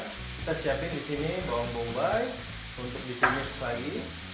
kita siapin disini bawang bombay untuk di finish lagi